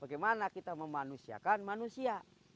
bagaimana kita memanusiakan manusia